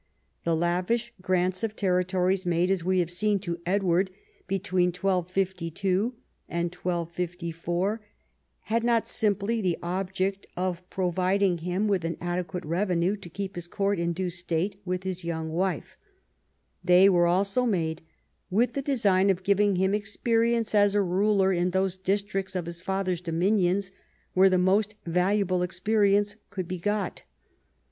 The lavish grants I EARLY YEARS 13 of territory made, as we have seen, to Edward between 1252 and 1254 had not simply the object of providing him with an adequate revenue to keep his court in due state with his young wife. They were also made with the design of giving him experience as a ruler in those districts of his father's dominions Avhere the most valuable experience could be got.